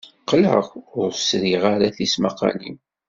Qqleɣ ur sriɣ ara tismaqqalin.